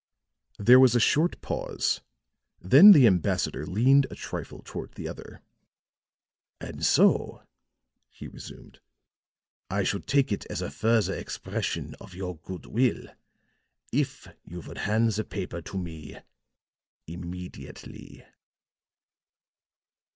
There was a short pause, then the ambassador leaned a trifle toward the other. "And so," he resumed, "I should take it as a further expression of your good will if you would hand the paper to me immediately."